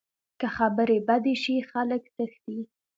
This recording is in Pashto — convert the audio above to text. که خبرې بدې شي، خلک تښتي